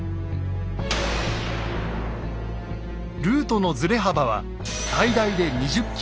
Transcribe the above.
ルートのずれ幅は最大で２０ｋｍ。